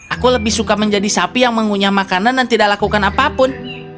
aku lebih suka menjadi sapi yang mengunyah makanan dan tidak lakukan apapun